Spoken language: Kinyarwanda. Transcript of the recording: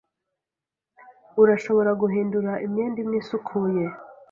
Urashobora guhindura imyenda imwe isukuye.